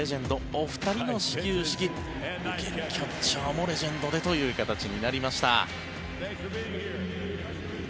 お二人の始球式受けるキャッチャーもレジェンドでということになりました。